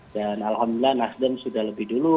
dan alhamdulillah nasdem sudah lebih dulu